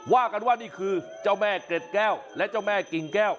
ว่ากันว่านี่คือเจ้าแม่เกร็ดแก้วและเจ้าแม่กิ่งแก้ว